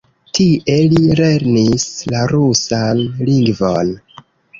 Tie li lernis la rusan lingvon.